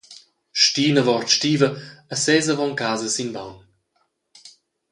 Stina va ord stiva e sesa avon casa sin baun.